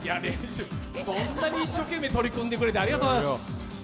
こんなに一生懸命取り組んでくれてありがとうございます。